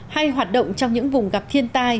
hay hoạt động trong những vùng gặp thiên tai